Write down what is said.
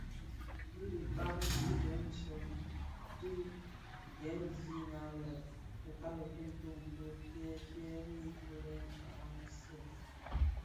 Bi dhikan di Johnson ti dhem zina lè fikali fi ntonto fi fyèri nfulèn aň sèè.